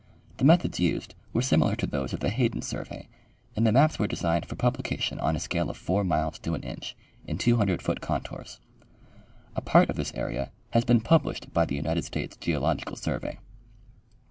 The methods used were similar to those of the Hayden survey, and the maps were designed for publication on a scale of 4 miles to an inch, in 200 foot contours. A part of this area has been published by the United States Geological survey.